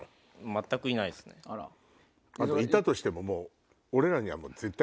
いたとしてももう。